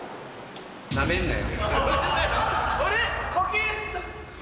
なめんなよ。